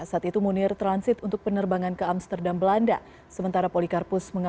saat itu munir transit untuk penerbangan ke amsang